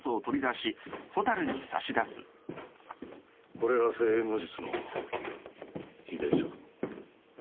これが生延の術の秘伝書だ。